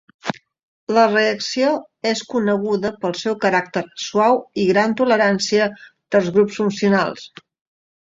La reacció és coneguda pel seu caràcter suau i gran tolerància dels grups funcionals.